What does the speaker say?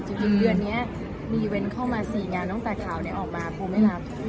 จริงเดือนนี้มีเว้นเข้ามา๔งานตั้งแต่ข่าวนี้ออกมาปูไม่รับ